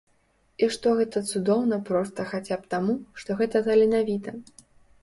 І што гэта цудоўна проста хаця б таму, што гэта таленавіта.